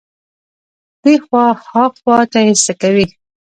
دې خوا ها خوا ته يې څکوي.